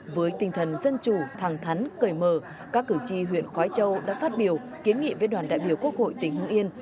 với tinh thần dân chủ thẳng thắn cởi mở các cử tri huyện khói châu đã phát biểu kiến nghị với đoàn đại biểu quốc hội tỉnh hưng yên